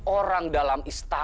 orang dalam istana